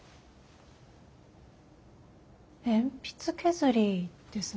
鉛筆削りですね。